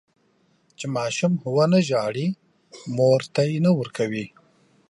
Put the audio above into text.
چې ماشوم ونه زړي، مور تی نه ورکوي.